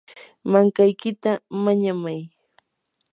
mankaykita mañamay.